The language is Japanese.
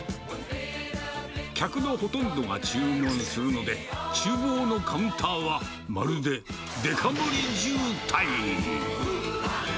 客のほとんどが注文するので、ちゅう房のカウンターはまるでデカ盛り渋滞。